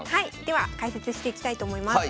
では解説していきたいと思います。